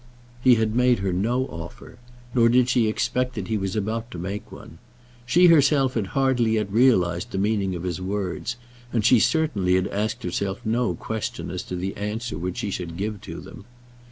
He had made her no offer, nor did she expect that he was about to make one. She herself had hardly yet realized the meaning of his words, and she certainly had asked herself no question as to the answer which she should give to them.